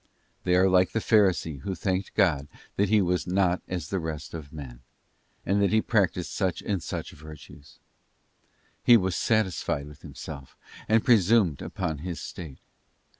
They are like the Pharisee who thanked God that he was ' not as the rest of men,' and that he practised such and such virtues: he was satisfied with himself, and pre sumed upon his state.